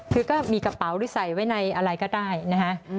คือก็มีกระเป๋าหรือใส่ไว้ในอะไรก็ได้นะฮะ